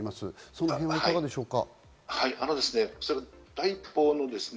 そのへんはいかがでしょうか？